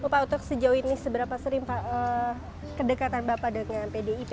pak untuk sejauh ini seberapa sering pak kedekatan bapak dengan pdip